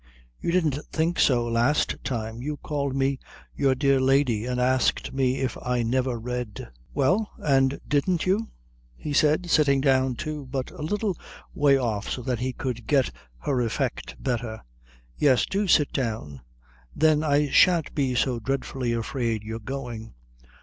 "You didn't think so last time. You called me your dear lady, and asked me if I never read." "Well, and didn't you?" he said, sitting down, too, but a little way off so that he could get her effect better. "Yes, do sit down. Then I shan't be so dreadfully afraid you're going."